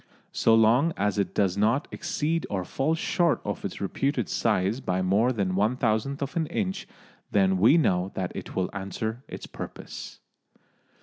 So long as it does not exceed or fall short of its reputed size by more than one thousandth of an inch, then we know that it will answer its purpose.